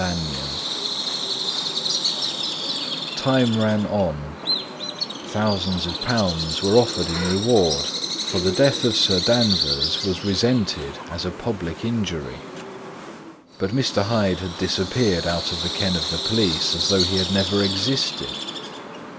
LANYON Time ran on; thousands of pounds were offered in reward, for the death of Sir Danvers was resented as a public injury; but Mr. Hyde had disappeared out of the ken of the police as though he had never existed.